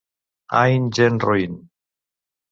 Aín, gent roín.